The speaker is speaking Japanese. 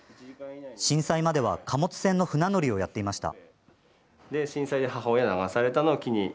震災までは貨物船の船乗りをやっていました。